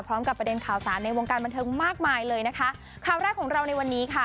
ประเด็นข่าวสารในวงการบันเทิงมากมายเลยนะคะข่าวแรกของเราในวันนี้ค่ะ